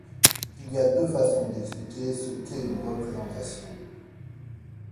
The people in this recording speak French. Il y a deux façons d'expliquer ce qu'est une représentation.